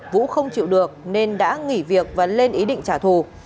vũ không chịu được nên đã nghỉ việc và lên ý định trả thù